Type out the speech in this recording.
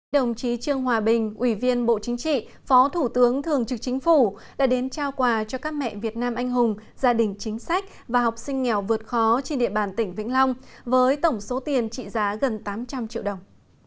đồng chí trương hòa bình ủy viên bộ chính trị phó thủ tướng thường trực chính phủ đã đến trao quà cho các mẹ việt nam anh hùng gia đình chính sách và học sinh nghèo vượt khó trên địa bàn tỉnh vĩnh long với tổng số tiền trị giá gần tám trăm linh triệu đồng